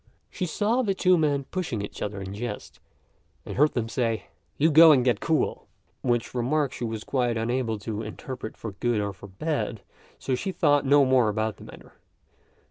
She saw two men pushing each other in jest, and heard them say, "You go and get cool," which remark she was quite unable to interpret for good or for bad, so she thought no more about the matter.